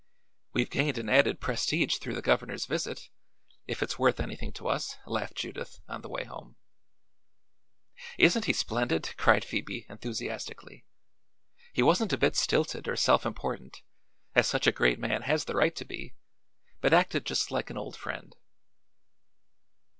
"We've gained an added prestige through the governor's visit if it's worth anything to us," laughed Judith, on the way home. "Isn't he splendid?" cried Phoebe, enthusiastically. "He wasn't a bit stilted or self important, as such a great man has the right to be, but acted just like an old friend."